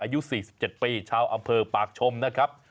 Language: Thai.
อายุ๔๗ปีชาวอำเภอปากชมนะครับ